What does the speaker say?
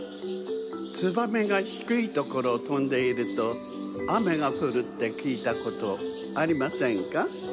ツバメがひくいところをとんでいるとあめがふるってきいたことありませんか？